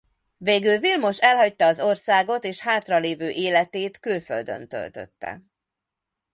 Végül Vilmos elhagyta az országot és hátralevő életét külföldön töltötte.